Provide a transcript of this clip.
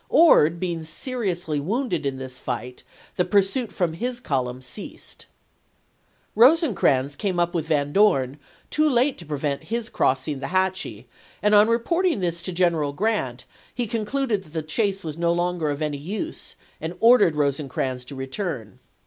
Ord being seriously wounded in this fight, the pur suit from his column ceased. Eosecrans came up with Van Dorn too late to prevent his crossing the Hatchie ; and on reporting this to General Grant, he concluded that the chase was no longer of any use, and ordered Eosecrans to return.